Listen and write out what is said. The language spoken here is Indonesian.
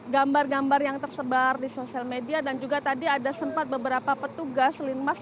gambar gambar yang tersebar di sosial media dan juga tadi ada sempat beberapa petugas linmas